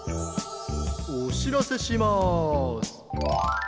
おしらせします。